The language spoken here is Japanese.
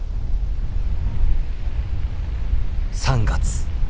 ３月。